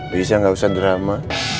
bisa gak usah drama